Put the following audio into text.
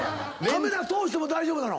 ⁉カメラ通しても大丈夫なの？